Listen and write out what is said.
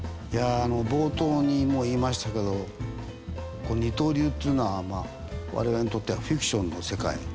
いやあの冒頭にもう言いましたけど二刀流っつうのは我々にとってはフィクションの世界。